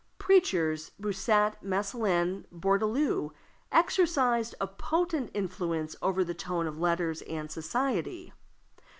Preachers Bossuet, Massillon, Bourdaloue exercised a potent influence over the tone of letters and society.